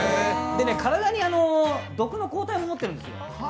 体に毒の抗体を持ってるんですよ。